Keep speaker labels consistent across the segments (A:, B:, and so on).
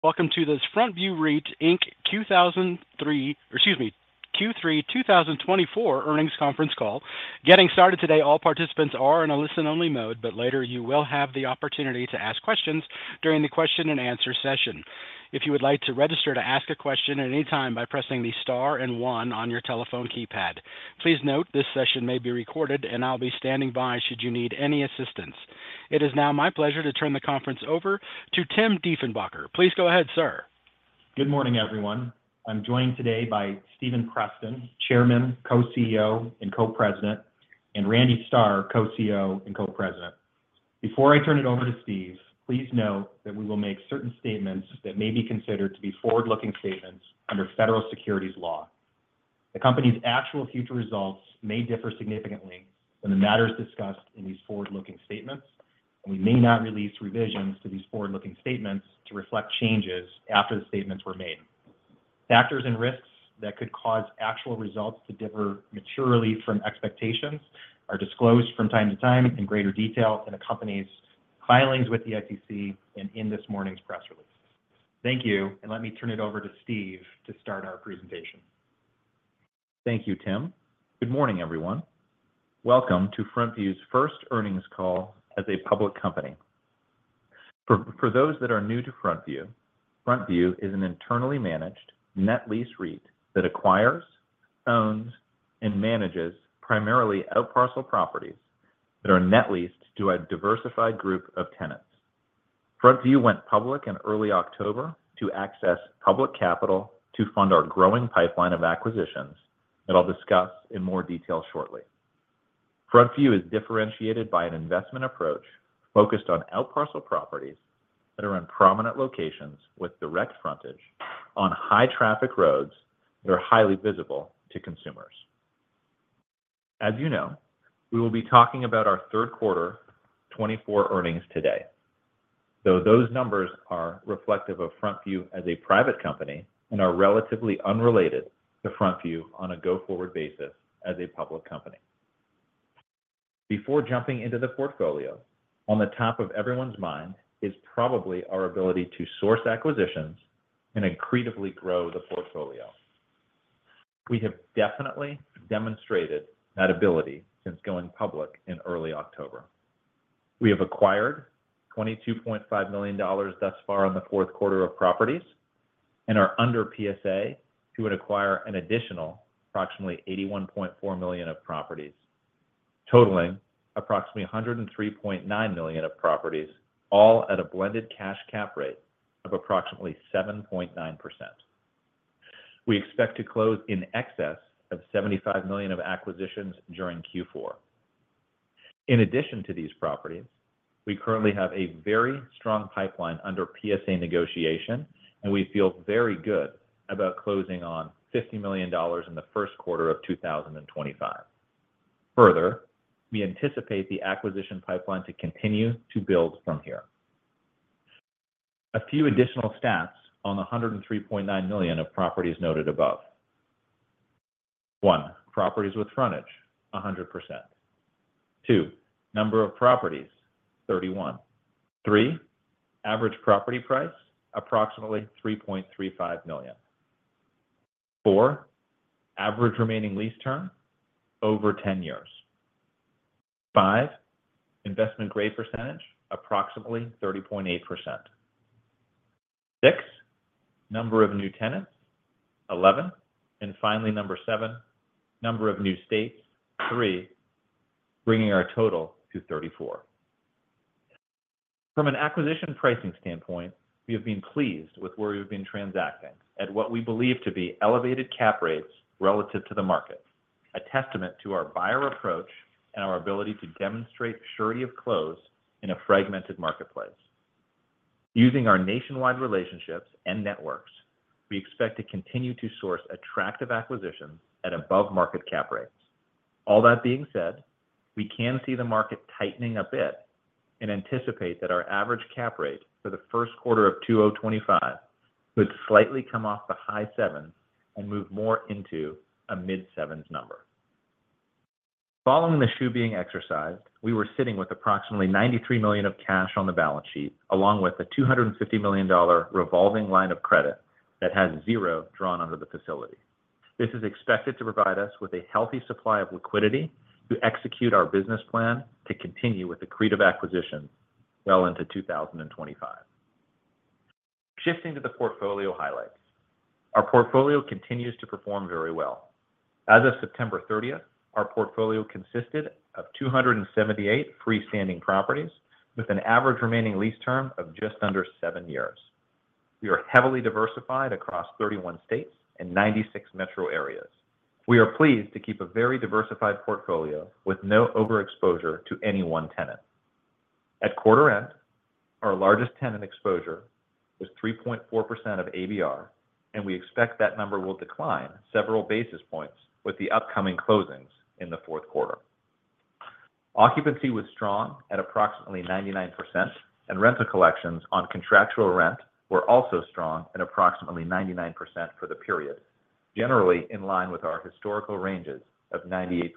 A: Welcome to this FrontView REIT Inc 2003—or excuse me, Q3 2024 Earnings Conference Call. Getting started today, all participants are in a listen-only mode, but later you will have the opportunity to ask questions during the question-and-answer session. If you would like to register to ask a question at any time by pressing the star and one on your telephone keypad. Please note this session may be recorded, and I'll be standing by should you need any assistance. It is now my pleasure to turn the conference over to Tim Dieffenbacher. Please go ahead, sir.
B: Good morning, everyone. I'm joined today by Stephen Preston, Chairman, Co-CEO, and Co-President, and Randy Starr, Co-CEO and Co-President. Before I turn it over to Steve, please note that we will make certain statements that may be considered to be forward-looking statements under federal securities law. The company's actual future results may differ significantly from the matters discussed in these forward-looking statements, and we may not release revisions to these forward-looking statements to reflect changes after the statements were made. Factors and risks that could cause actual results to differ materially from expectations are disclosed from time to time in greater detail in the company's filings with the SEC and in this morning's press release. Thank you, and let me turn it over to Steve to start our presentation.
C: Thank you, Tim. Good morning, everyone. Welcome to FrontView's first earnings call as a public company. For those that are new to FrontView, FrontView is an internally managed net lease REIT that acquires, owns, and manages primarily outparcel properties that are net leased to a diversified group of tenants. FrontView went public in early October to access public capital to fund our growing pipeline of acquisitions that I'll discuss in more detail shortly. FrontView is differentiated by an investment approach focused on outparcel properties that are in prominent locations with direct frontage on high-traffic roads that are highly visible to consumers. As you know, we will be talking about our third-quarter 2024 earnings today, though those numbers are reflective of FrontView as a private company and are relatively unrelated to FrontView on a go-forward basis as a public company. Before jumping into the portfolio, on the top of everyone's mind is probably our ability to source acquisitions and accretively grow the portfolio. We have definitely demonstrated that ability since going public in early October. We have acquired $22.5 million thus far in the fourth quarter of properties and are under PSA to acquire an additional approximately $81.4 million of properties, totaling approximately $103.9 million of properties, all at a blended cash cap rate of approximately 7.9%. We expect to close in excess of $75 million of acquisitions during Q4. In addition to these properties, we currently have a very strong pipeline under PSA negotiation, and we feel very good about closing on $50 million in the first quarter of 2025. Further, we anticipate the acquisition pipeline to continue to build from here. A few additional stats on the $103.9 million of properties noted above. One, properties with frontage: 100%. Two, number of properties: 31. Three, average property price: approximately $3.35 million. Four, average remaining lease term: over 10 years. Five, investment grade percentage: approximately 30.8%. Six, number of new tenants: 11. And finally, number seven, number of new states: three, bringing our total to 34. From an acquisition pricing standpoint, we have been pleased with where we have been transacting at what we believe to be elevated cap rates relative to the market, a testament to our buyer approach and our ability to demonstrate surety of close in a fragmented marketplace. Using our nationwide relationships and networks, we expect to continue to source attractive acquisitions at above-market cap rates. All that being said, we can see the market tightening a bit and anticipate that our average cap rate for the first quarter of 2025 could slightly come off the high sevens and move more into a mid-sevens number. Following the greenshoe exercise, we were sitting with approximately $93 million of cash on the balance sheet, along with a $250 million revolving line of credit that has zero drawn under the facility. This is expected to provide us with a healthy supply of liquidity to execute our business plan to continue with accretive acquisitions well into 2025. Shifting to the portfolio highlights, our portfolio continues to perform very well. As of September 30th, our portfolio consisted of 278 freestanding properties with an average remaining lease term of just under seven years. We are heavily diversified across 31 states and 96 metro areas. We are pleased to keep a very diversified portfolio with no overexposure to any one tenant. At quarter end, our largest tenant exposure was 3.4% of ABR, and we expect that number will decline several basis points with the upcoming closings in the fourth quarter. Occupancy was strong at approximately 99%, and rental collections on contractual rent were also strong at approximately 99% for the period, generally in line with our historical ranges of 98%-99%.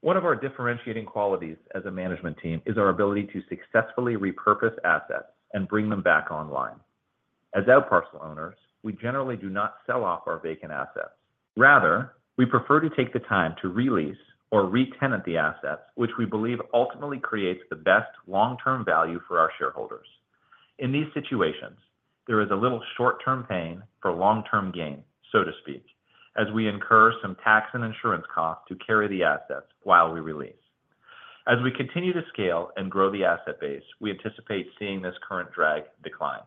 C: One of our differentiating qualities as a management team is our ability to successfully repurpose assets and bring them back online. As outparcel owners, we generally do not sell off our vacant assets. Rather, we prefer to take the time to re-lease or re-tenant the assets, which we believe ultimately creates the best long-term value for our shareholders. In these situations, there is a little short-term pain for long-term gain, so to speak, as we incur some tax and insurance costs to carry the assets while we re-lease. As we continue to scale and grow the asset base, we anticipate seeing this current drag decline.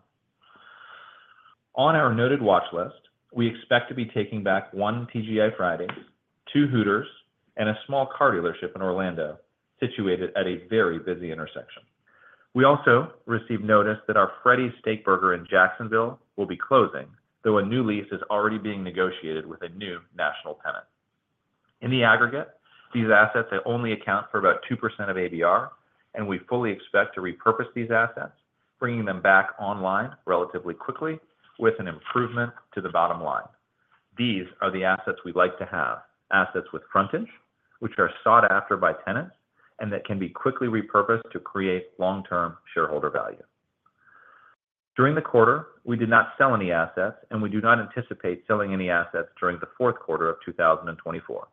C: On our noted watch list, we expect to be taking back one TGI Fridays, two Hooters, and a small car dealership in Orlando situated at a very busy intersection. We also received notice that our Freddy's Steakburgers in Jacksonville will be closing, though a new lease is already being negotiated with a new national tenant. In the aggregate, these assets only account for about 2% of ABR, and we fully expect to repurpose these assets, bringing them back online relatively quickly with an improvement to the bottom line. These are the assets we'd like to have: assets with frontage, which are sought after by tenants and that can be quickly repurposed to create long-term shareholder value. During the quarter, we did not sell any assets, and we do not anticipate selling any assets during the fourth quarter of 2024.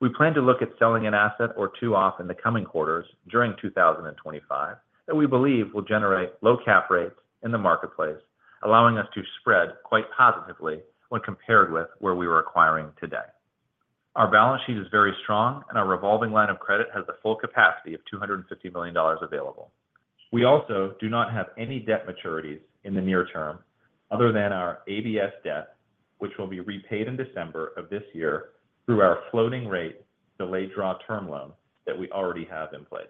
C: We plan to look at selling an asset or two off in the coming quarters during 2025 that we believe will generate low cap rates in the marketplace, allowing us to spread quite positively when compared with where we were acquiring today. Our balance sheet is very strong, and our revolving line of credit has the full capacity of $250 million available. We also do not have any debt maturities in the near term other than our ABS debt, which will be repaid in December of this year through our floating rate delayed draw term loan that we already have in place.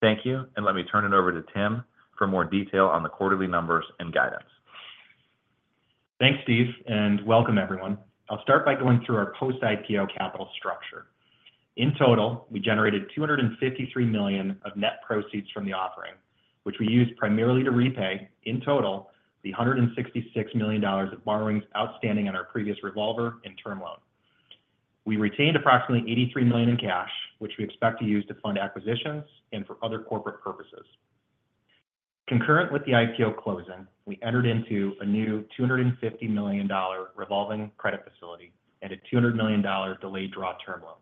C: Thank you, and let me turn it over to Tim for more detail on the quarterly numbers and guidance.
B: Thanks, Steve, and welcome, everyone. I'll start by going through our post-IPO capital structure. In total, we generated $253 million of net proceeds from the offering, which we used primarily to repay in total the $166 million of borrowings outstanding on our previous revolver and term loan. We retained approximately $83 million in cash, which we expect to use to fund acquisitions and for other corporate purposes. Concurrent with the IPO closing, we entered into a new $250 million revolving credit facility and a $200 million delayed draw term loan.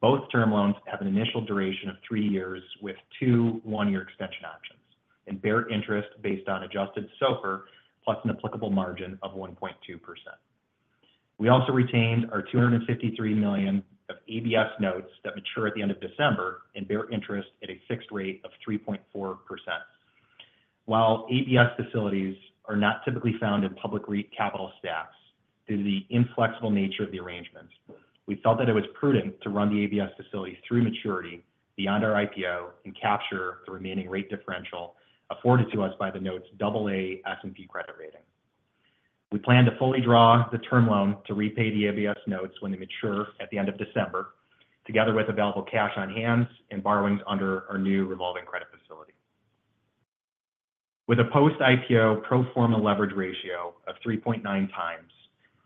B: Both term loans have an initial duration of three years with two one-year extension options and bear interest based on adjusted SOFR plus an applicable margin of 1.2%. We also retained our $253 million of ABS notes that mature at the end of December and bear interest at a fixed rate of 3.4%. While ABS facilities are not typically found in public REIT capital stacks due to the inflexible nature of the arrangements, we felt that it was prudent to run the ABS facility through maturity beyond our IPO and capture the remaining rate differential afforded to us by the note's AA S&P credit rating. We plan to fully draw the term loan to repay the ABS notes when they mature at the end of December, together with available cash on hand and borrowings under our new revolving credit facility. With a post-IPO pro-forma leverage ratio of 3.9x,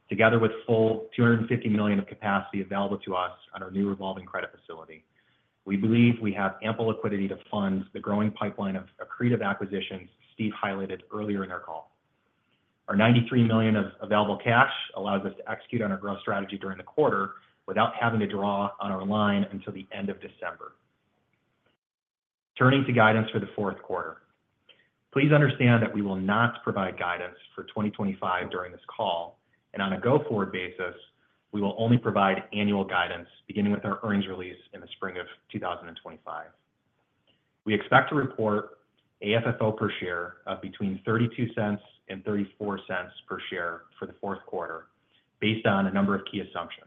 B: together with full $250 million of capacity available to us on our new revolving credit facility, we believe we have ample liquidity to fund the growing pipeline of accretive acquisitions Steve highlighted earlier in our call. Our $93 million of available cash allows us to execute on our growth strategy during the quarter without having to draw on our line until the end of December. Turning to guidance for the fourth quarter, please understand that we will not provide guidance for 2025 during this call, and on a go-forward basis, we will only provide annual guidance beginning with our earnings release in the spring of 2025. We expect to report AFFO per share of between $0.32 and $0.34 per share for the fourth quarter based on a number of key assumptions.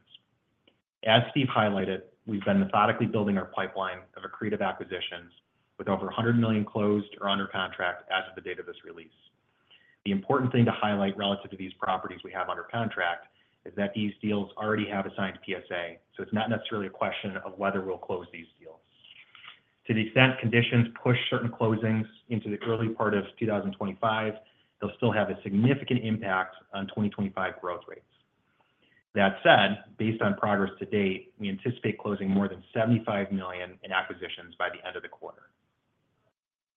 B: As Steve highlighted, we've been methodically building our pipeline of accretive acquisitions with over $100 million closed or under contract as of the date of this release. The important thing to highlight relative to these properties we have under contract is that these deals already have assigned PSA, so it's not necessarily a question of whether we'll close these deals. To the extent conditions push certain closings into the early part of 2025, they'll still have a significant impact on 2025 growth rates. That said, based on progress to date, we anticipate closing more than $75 million in acquisitions by the end of the quarter.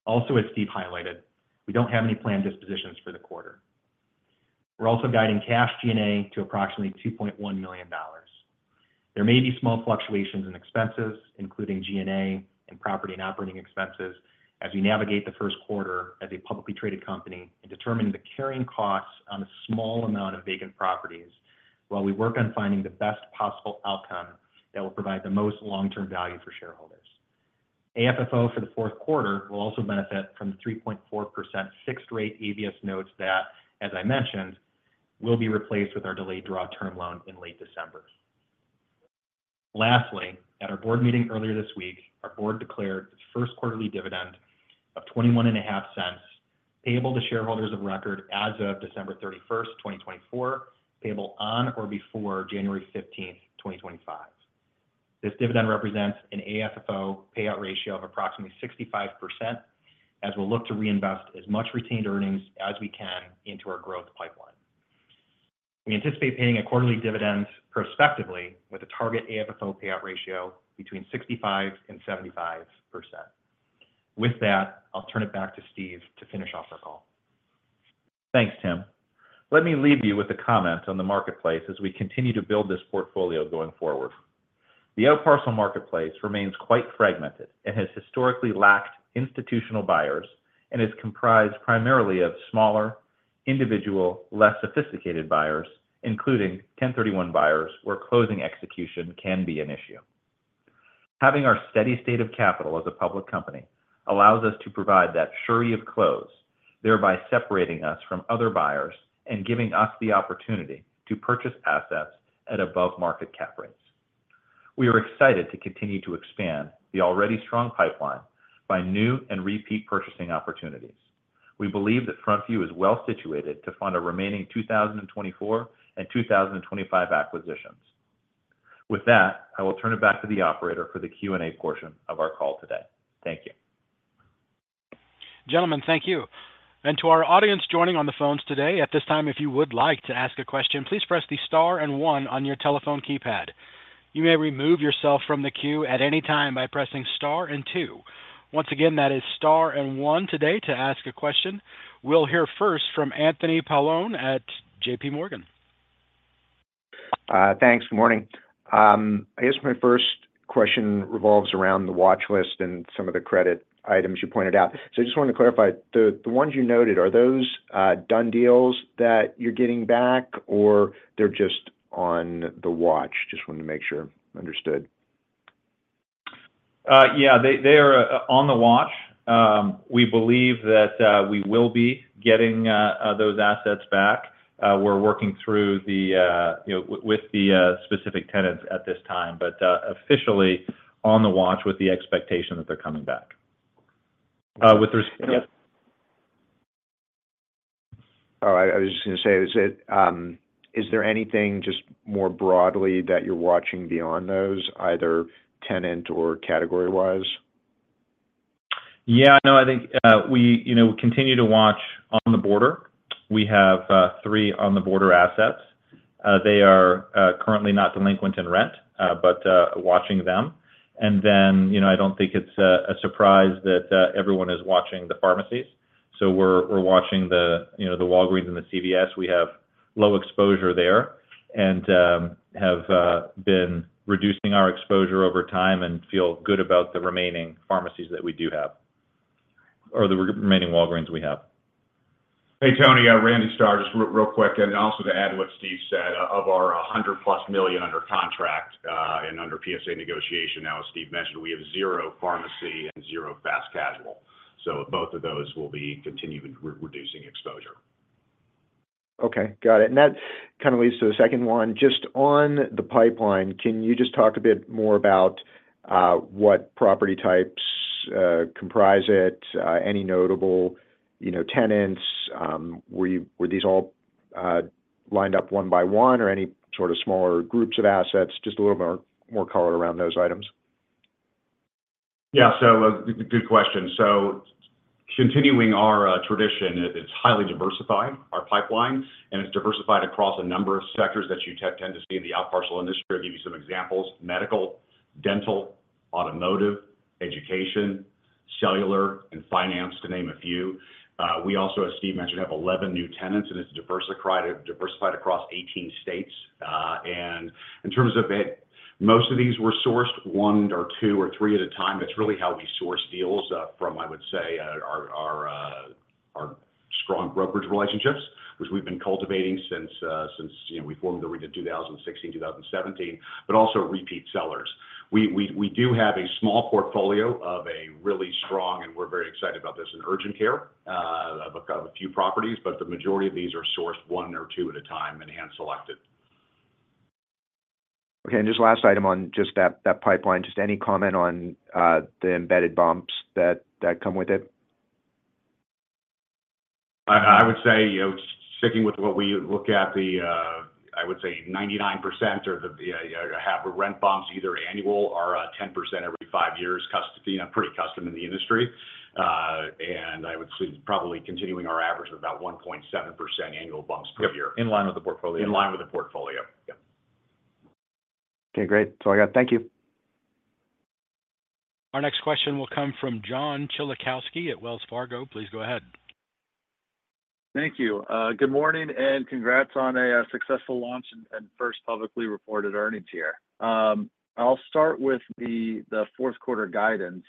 B: Also, as Steve highlighted, we don't have any planned dispositions for the quarter. We're also guiding cash G&A to approximately $2.1 million. There may be small fluctuations in expenses, including G&A and property and operating expenses, as we navigate the first quarter as a publicly traded company and determine the carrying costs on a small amount of vacant properties while we work on finding the best possible outcome that will provide the most long-term value for shareholders. AFFO for the fourth quarter will also benefit from the 3.4% fixed rate ABS notes that, as I mentioned, will be replaced with our delayed draw term loan in late December. Lastly, at our board meeting earlier this week, our board declared its first quarterly dividend of $0.215 payable to shareholders of record as of December 31st, 2024, payable on or before January 15th, 2025. This dividend represents an AFFO payout ratio of approximately 65%, as we'll look to reinvest as much retained earnings as we can into our growth pipeline. We anticipate paying a quarterly dividend prospectively with a target AFFO payout ratio between 65% and 75%. With that, I'll turn it back to Steve to finish off our call.
C: Thanks, Tim. Let me leave you with a comment on the marketplace as we continue to build this portfolio going forward. The outparcel marketplace remains quite fragmented and has historically lacked institutional buyers and is comprised primarily of smaller, individual, less sophisticated buyers, including 1031 buyers where closing execution can be an issue. Having our steady state of capital as a public company allows us to provide that surety of close, thereby separating us from other buyers and giving us the opportunity to purchase assets at above-market cap rates. We are excited to continue to expand the already strong pipeline by new and repeat purchasing opportunities. We believe that FrontView is well situated to fund our remaining 2024 and 2025 acquisitions. With that, I will turn it back to the operator for the Q&A portion of our call today. Thank you.
A: Gentlemen, thank you. And to our audience joining on the phones today, at this time, if you would like to ask a question, please press the star and one on your telephone keypad. You may remove yourself from the queue at any time by pressing star and two. Once again, that is star and one today to ask a question. We'll hear first from Anthony Paolone at J.P. Morgan.
D: Thanks. Good morning. I guess my first question revolves around the watch list and some of the credit items you pointed out. So I just wanted to clarify, the ones you noted, are those done deals that you're getting back, or they're just on the watch? Just wanted to make sure understood.
C: Yeah, they are on the watch. We believe that we will be getting those assets back. We're working through with the specific tenants at this time, but officially on the watch with the expectation that they're coming back. With respect.
D: All right. I was just going to say, is there anything just more broadly that you're watching beyond those, either tenant or category-wise?
C: Yeah, no, I think we continue to watch On The Border. We have three On The Border assets. They are currently not delinquent in rent, but watching them. And then I don't think it's a surprise that everyone is watching the pharmacies. So we're watching the Walgreens and the CVS. We have low exposure there and have been reducing our exposure over time and feel good about the remaining pharmacies that we do have or the remaining Walgreens we have.
E: Hey, Tony. Randy Starr, just real quick, and also to add to what Steve said of our $100+ million under contract and under PSA negotiation. Now, as Steve mentioned, we have zero pharmacy and zero fast casual. So both of those will be continuing to reduce exposure.
D: Okay. Got it. And that kind of leads to the second one. Just on the pipeline, can you just talk a bit more about what property types comprise it, any notable tenants? Were these all lined up one by one or any sort of smaller groups of assets? Just a little more color around those items.
E: Yeah. So good question. So continuing our tradition, it's highly diversified, our pipeline, and it's diversified across a number of sectors that you tend to see in the outparcel industry. I'll give you some examples: medical, dental, automotive, education, cellular, and finance, to name a few. We also, as Steve mentioned, have 11 new tenants, and it's diversified across 18 states. And in terms of it, most of these were sourced one or two or three at a time. It's really how we source deals from, I would say, our strong brokerage relationships, which we've been cultivating since we formed the REIT in 2016, 2017, but also repeat sellers. We do have a small portfolio of a really strong, and we're very excited about this, in urgent care of a few properties, but the majority of these are sourced one or two at a time and hand-selected.
D: Okay. And just last item on just that pipeline, just any comment on the embedded bumps that come with it?
E: I would say sticking with what we look at, I would say 99% or have rent bumps either annual or 10% every five years, pretty customary in the industry, and I would say probably continuing our average of about 1.7% annual bumps per year.
D: Yeah, in line with the portfolio.
E: In line with the portfolio. Yeah.
D: Okay. Great. That's all I got. Thank you.
A: Our next question will come from John Kilichowski at Wells Fargo. Please go ahead.
F: Thank you. Good morning and congrats on a successful launch and first publicly reported earnings year. I'll start with the fourth quarter guidance.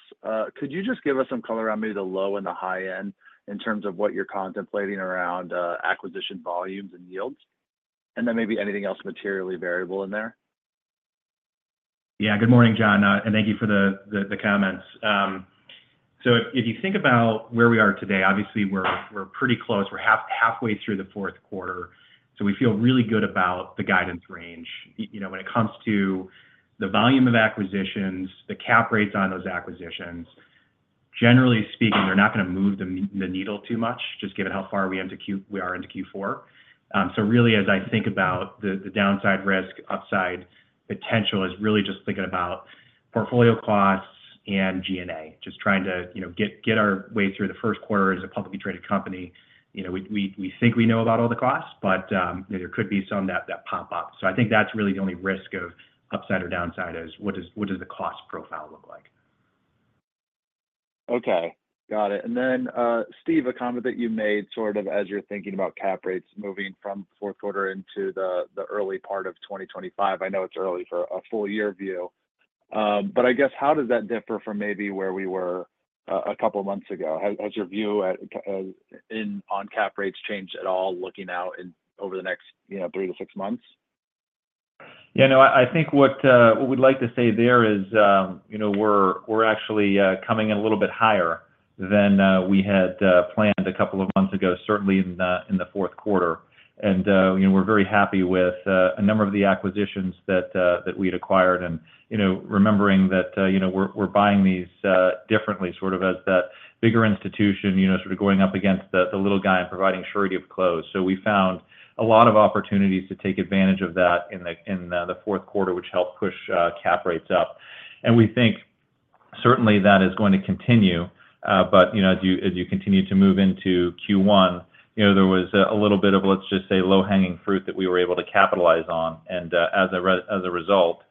F: Could you just give us some color on maybe the low and the high end in terms of what you're contemplating around acquisition volumes and yields and then maybe anything else materially variable in there?
B: Yeah. Good morning, John, and thank you for the comments. So if you think about where we are today, obviously, we're pretty close. We're halfway through the fourth quarter. So we feel really good about the guidance range. When it comes to the volume of acquisitions, the cap rates on those acquisitions, generally speaking, they're not going to move the needle too much, just given how far we are into Q4. So really, as I think about the downside risk, upside potential, is really just thinking about portfolio costs and G&A, just trying to get our way through the first quarter as a publicly traded company. We think we know about all the costs, but there could be some that pop up. So I think that's really the only risk of upside or downside is what does the cost profile look like?
F: Okay. Got it. And then, Steve, a comment that you made sort of as you're thinking about cap rates moving from fourth quarter into the early part of 2025. I know it's early for a full year view, but I guess how does that differ from maybe where we were a couple of months ago? Has your view on cap rates changed at all looking out over the next three to six months?
C: Yeah. No, I think what we'd like to say there is we're actually coming in a little bit higher than we had planned a couple of months ago, certainly in the fourth quarter. And we're very happy with a number of the acquisitions that we'd acquired and remembering that we're buying these differently, sort of as that bigger institution sort of going up against the little guy and providing surety of close. So we found a lot of opportunities to take advantage of that in the fourth quarter, which helped push cap rates up. And we think certainly that is going to continue. But as you continue to move into Q1, there was a little bit of, let's just say, low-hanging fruit that we were able to capitalize on. And as a result,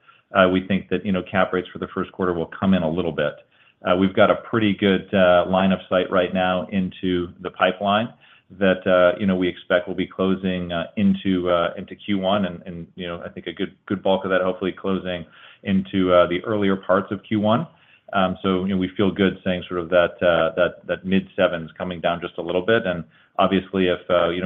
C: we think that cap rates for the first quarter will come in a little bit. We've got a pretty good line of sight right now into the pipeline that we expect will be closing into Q1, and I think a good bulk of that hopefully closing into the earlier parts of Q1, so we feel good saying sort of that mid-sevens coming down just a little bit, and obviously, if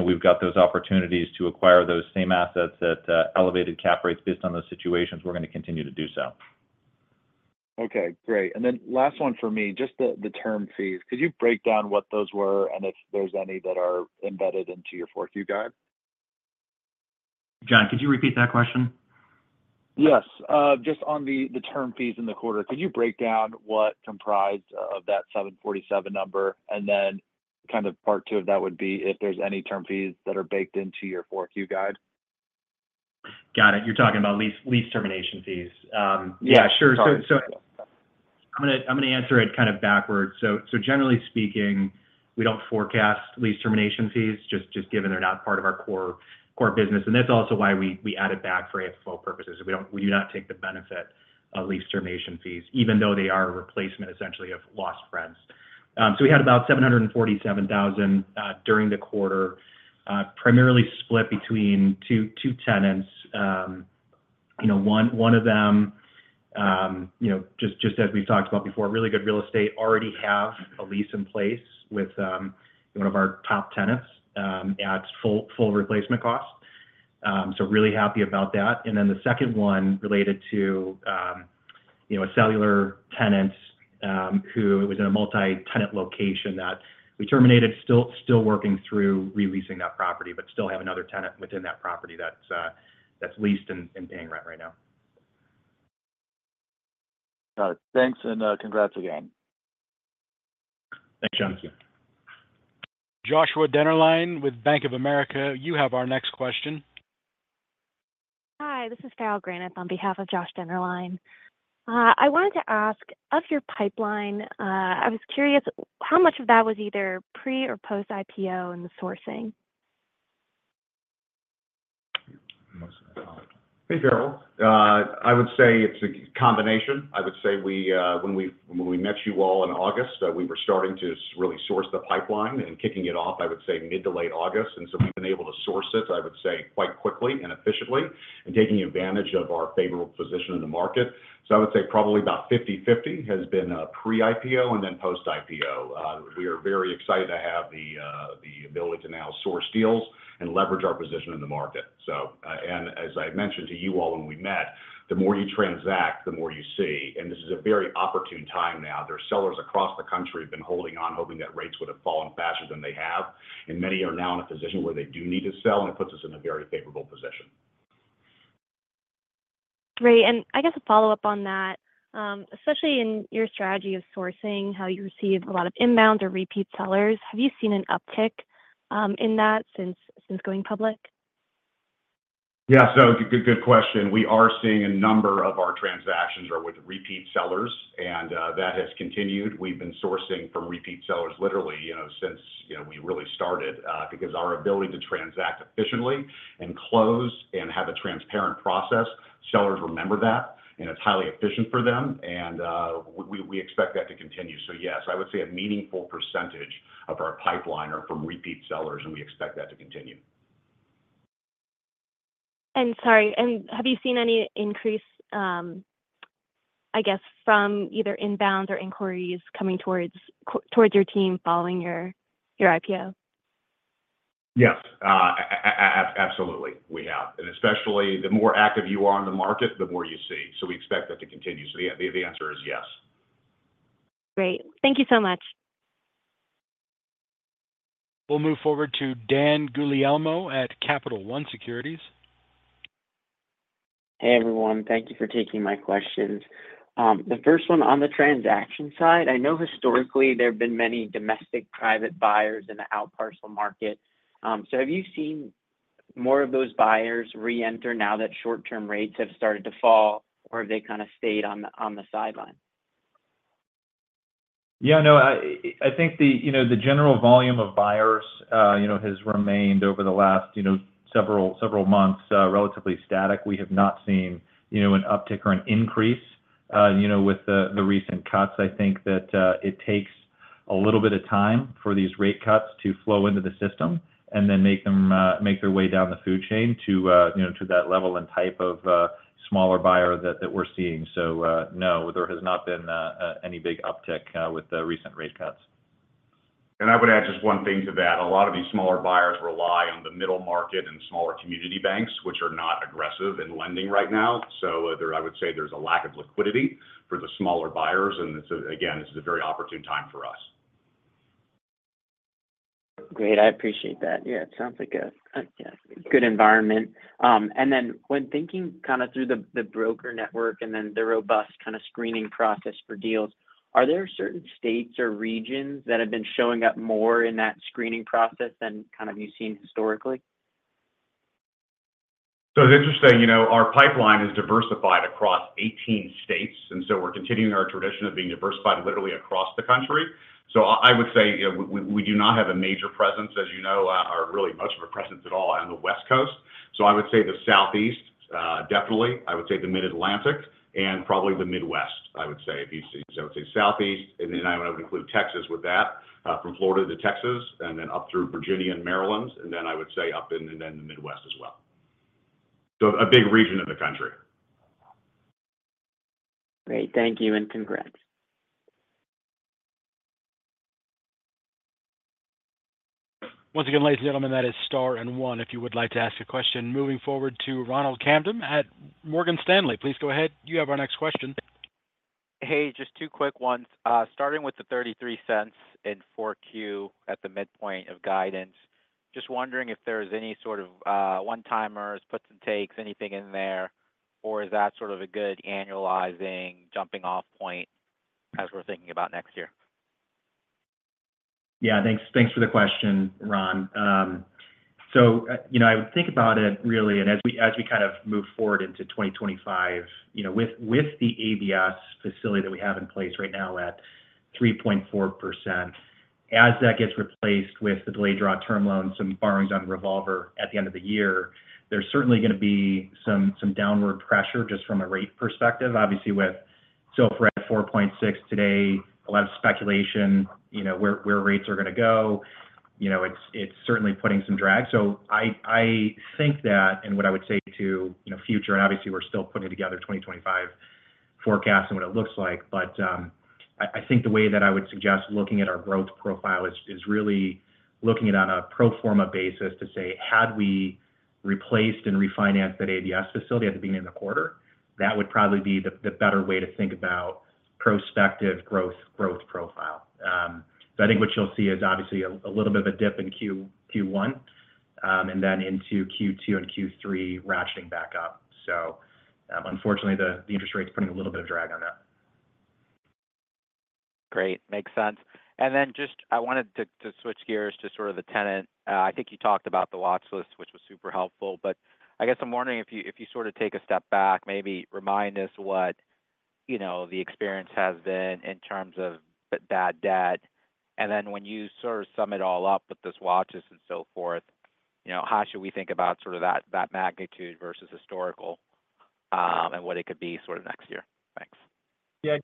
C: we've got those opportunities to acquire those same assets at elevated cap rates based on those situations, we're going to continue to do so.
F: Okay. Great. And then last one for me, just the term fees. Could you break down what those were and if there's any that are embedded into your fourth quarter guide?
B: John, could you repeat that question?
F: Yes. Just on the term fees in the quarter, could you break down what comprised of that 747 number? And then kind of part two of that would be if there's any term fees that are baked into your fourth-year guide.
B: Got it. You're talking about lease termination fees. Yeah, sure. So I'm going to answer it kind of backwards. So generally speaking, we don't forecast lease termination fees, just given they're not part of our core business. And that's also why we add it back for AFFO purposes. We do not take the benefit of lease termination fees, even though they are a replacement, essentially, of lost rents. So we had about $747,000 during the quarter, primarily split between two tenants. One of them, just as we've talked about before, really good real estate, already have a lease in place with one of our top tenants at full replacement cost. So really happy about that. And then, the second one related to a cellular tenant who was in a multi-tenant location that we terminated, still working through re-leasing that property, but still have another tenant within that property that's leased and paying rent right now.
F: Got it. Thanks and congrats again.
B: Thanks, John.
A: Thank you. Joshua Dennerlein with Bank of America. You have our next question.
G: Hi, this is Farrell Granath on behalf of Josh Dennerlein. I wanted to ask, of your pipeline, I was curious how much of that was either pre or post-IPO and the sourcing?
E: Hey, Farrell. I would say it's a combination. I would say when we met you all in August, we were starting to really source the pipeline and kicking it off, I would say, mid to late August. And so we've been able to source it, I would say, quite quickly and efficiently and taking advantage of our favorable position in the market. So I would say probably about 50/50 has been pre-IPO and then post-IPO. We are very excited to have the ability to now source deals and leverage our position in the market. And as I mentioned to you all when we met, the more you transact, the more you see. And this is a very opportune time now. There are sellers across the country who've been holding on, hoping that rates would have fallen faster than they have. Many are now in a position where they do need to sell, and it puts us in a very favorable position.
G: Great. And I guess a follow-up on that, especially in your strategy of sourcing, how you receive a lot of inbound or repeat sellers. Have you seen an uptick in that since going public?
E: Yeah. So, good question. We are seeing a number of our transactions are with repeat sellers, and that has continued. We've been sourcing from repeat sellers literally since we really started because our ability to transact efficiently and close and have a transparent process, sellers remember that, and it's highly efficient for them. And we expect that to continue. So yes, I would say a meaningful percentage of our pipeline are from repeat sellers, and we expect that to continue.
G: Sorry, have you seen any increase, I guess, from either inbound or inquiries coming towards your team following your IPO?
E: Yes, absolutely. We have. And especially the more active you are in the market, the more you see. So we expect that to continue. So the answer is yes.
G: Great. Thank you so much.
A: We'll move forward to Dan Guglielmo at Capital One Securities.
H: Hey, everyone. Thank you for taking my questions. The first one on the transaction side, I know historically there have been many domestic private buyers in the outparcel market. So have you seen more of those buyers re-enter now that short-term rates have started to fall, or have they kind of stayed on the sideline?
C: Yeah. No, I think the general volume of buyers has remained over the last several months relatively static. We have not seen an uptick or an increase with the recent cuts. I think that it takes a little bit of time for these rate cuts to flow into the system and then make their way down the food chain to that level and type of smaller buyer that we're seeing. So no, there has not been any big uptick with the recent rate cuts.
E: And I would add just one thing to that. A lot of these smaller buyers rely on the middle market and smaller community banks, which are not aggressive in lending right now. So I would say there's a lack of liquidity for the smaller buyers. And again, this is a very opportune time for us.
H: Great. I appreciate that. Yeah. It sounds like a good environment, and then when thinking kind of through the broker network and then the robust kind of screening process for deals, are there certain states or regions that have been showing up more in that screening process than kind of you've seen historically?
E: So it's interesting. Our pipeline is diversified across 18 states. And so we're continuing our tradition of being diversified literally across the country. So I would say we do not have a major presence, as you know, or really much of a presence at all on the West Coast. So I would say the Southeast, definitely. I would say the Mid-Atlantic and probably the Midwest, I would say. So I would say Southeast, and then I would include Texas with that, from Florida to Texas, and then up through Virginia and Maryland, and then I would say up in the Midwest as well. So a big region of the country.
H: Great. Thank you and congrats.
A: Once again, ladies and gentlemen, that is Star and One. If you would like to ask a question, moving forward to Ronald Kamdem at Morgan Stanley. Please go ahead. You have our next question.
I: Hey, just two quick ones. Starting with the $0.33 in Q4 at the midpoint of guidance, just wondering if there's any sort of one-timers, puts and takes, anything in there, or is that sort of a good annualizing jumping-off point as we're thinking about next year?
B: Yeah. Thanks for the question, Ron. So I would think about it really, and as we kind of move forward into 2025, with the ABS facility that we have in place right now at 3.4%, as that gets replaced with the delayed draw term loans and borrowings on Revolver at the end of the year, there's certainly going to be some downward pressure just from a rate perspective. Obviously, with SOFR at 4.6% today, a lot of speculation where rates are going to go. It's certainly putting some drag. So, I think that, and what I would say to future, and obviously, we're still putting together 2025 forecasts and what it looks like, but I think the way that I would suggest looking at our growth profile is really looking at it on a pro forma basis to say, had we replaced and refinanced that ABS facility at the beginning of the quarter, that would probably be the better way to think about prospective growth profile. So, I think what you'll see is obviously a little bit of a dip in Q1 and then into Q2 and Q3 ratcheting back up. So, unfortunately, the interest rate's putting a little bit of drag on that.
I: Great. Makes sense. And then just I wanted to switch gears to sort of the tenant. I think you talked about the watch list, which was super helpful, but I guess I'm wondering if you sort of take a step back, maybe remind us what the experience has been in terms of bad debt. And then when you sort of sum it all up with this watch list and so forth, how should we think about sort of that magnitude versus historical and what it could be sort of next year? Thanks.
E: Yeah.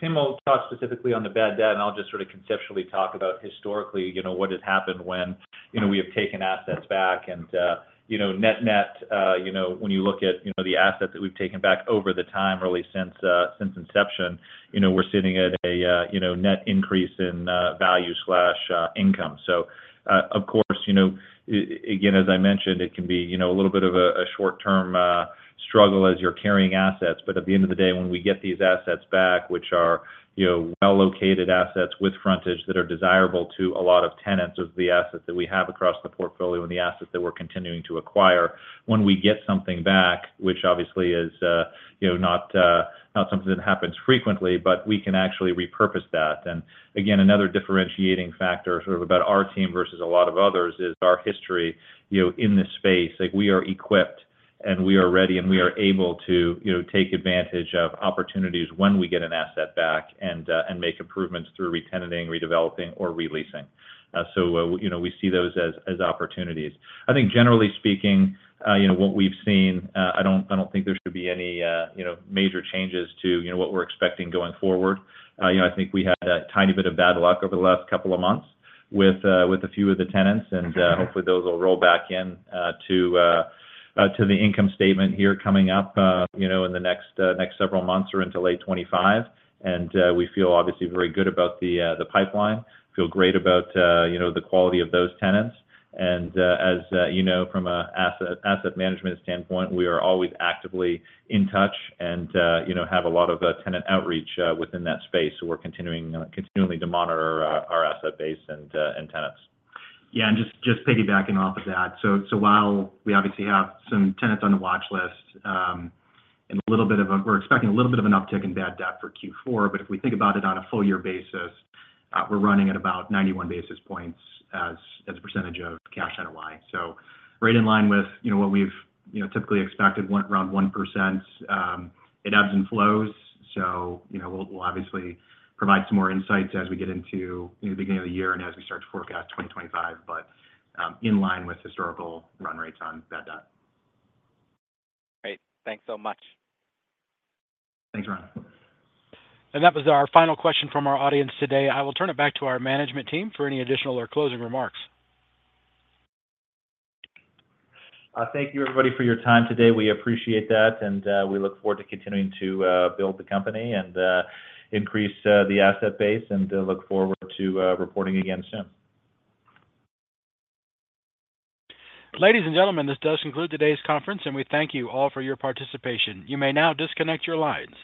E: Tim will talk specifically on the bad debt, and I'll just sort of conceptually talk about historically what has happened when we have taken assets back. And net-net, when you look at the assets that we've taken back over the time really since inception, we're sitting at a net increase in value/income. So of course, again, as I mentioned, it can be a little bit of a short-term struggle as you're carrying assets. But at the end of the day, when we get these assets back, which are well-located assets with frontage that are desirable to a lot of tenants of the assets that we have across the portfolio and the assets that we're continuing to acquire, when we get something back, which obviously is not something that happens frequently, but we can actually repurpose that. Again, another differentiating factor sort of about our team versus a lot of others is our history in this space. We are equipped, and we are ready, and we are able to take advantage of opportunities when we get an asset back and make improvements through re-tenanting, redeveloping, or releasing. We see those as opportunities. I think generally speaking, what we've seen, I don't think there should be any major changes to what we're expecting going forward. I think we had a tiny bit of bad luck over the last couple of months with a few of the tenants, and hopefully those will roll back into the income statement here coming up in the next several months or into late 2025. We feel obviously very good about the pipeline. We feel great about the quality of those tenants. And as you know, from an asset management standpoint, we are always actively in touch and have a lot of tenant outreach within that space. So we're continuing to monitor our asset base and tenants.
B: Yeah. And just piggybacking off of that, so while we obviously have some tenants on the watch list and a little bit, we're expecting a little bit of an uptick in bad debt for Q4, but if we think about it on a full-year basis, we're running at about 91 basis points as a percentage of cash NOI. So right in line with what we've typically expected, around 1%, it ebbs and flows. So we'll obviously provide some more insights as we get into the beginning of the year and as we start to forecast 2025, but in line with historical run rates on bad debt.
I: Great. Thanks so much.
B: Thanks, Ron.
A: That was our final question from our audience today. I will turn it back to our management team for any additional or closing remarks.
E: Thank you, everybody, for your time today. We appreciate that, and we look forward to continuing to build the company and increase the asset base and look forward to reporting again soon.
A: Ladies and gentlemen, this does conclude today's conference, and we thank you all for your participation. You may now disconnect your lines.